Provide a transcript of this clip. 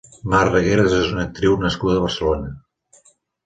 Mar Regueras és una actriu nascuda a Barcelona.